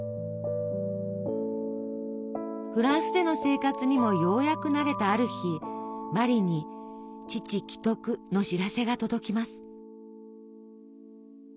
フランスでの生活にもようやく慣れたある日茉莉に「父危篤」の知らせが届きます。